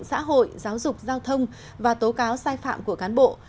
xã hội giáo dục giao thông và tố cáo sai phạm của cán bộ